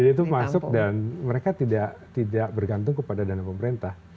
ide itu masuk dan mereka tidak bergantung kepada dana pemerintah